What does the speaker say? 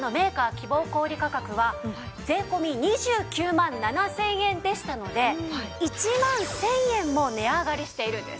希望小売価格は税込２９万７０００円でしたので１万１０００円も値上がりしているんです。